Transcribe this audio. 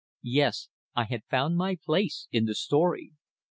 Yes, I had found my place in the story!